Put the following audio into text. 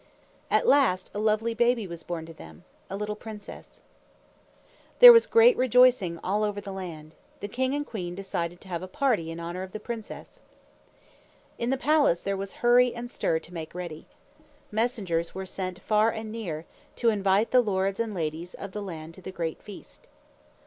At last a lovely baby was born to them a little princess. There was great rejoicing over all the land. The king and queen decided to have a party in honor of the princess. In the palace there was hurry and stir to make ready. Messengers were sent far and near, to invite the lords and ladies of the land to the great feast.